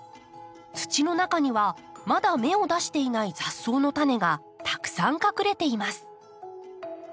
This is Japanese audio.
土の中にはまだ芽を出していない雑草のタネがたくさん隠れています。